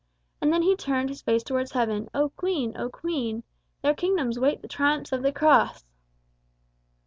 And then he turned His face towards Heaven, "O Queen! O Queen! There kingdoms wait the triumphs of the cross!"